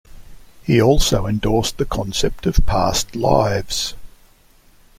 He also endorsed the concept of past lives.